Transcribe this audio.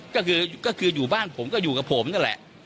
ก็คืออยู่บ้านผมก็อยู่กับผมนั่นแหละ